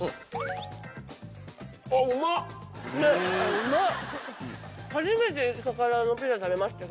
うまっ。